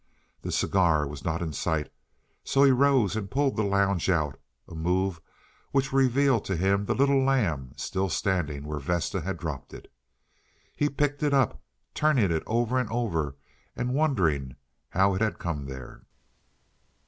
The cigar was not in sight, so he rose and pulled the lounge out, a move which revealed to him the little lamb still standing where Vesta had dropped it. He picked it up, turning it over and over, and wondering how it had come there.